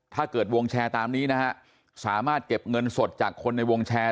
วงแชร์ตามนี้นะฮะสามารถเก็บเงินสดจากคนในวงแชร์